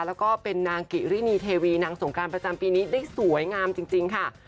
แล้วก็เป็นนางกิรินีเทวีนางสงการประจำปีนี้ได้สวยงามจริงค่ะ